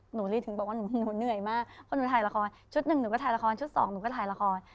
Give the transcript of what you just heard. ลีถึงบอกว่าหนูเหนื่อยมากเพราะหนูถ่ายละครชุดหนึ่งหนูก็ถ่ายละครชุดสองหนูก็ถ่ายละคร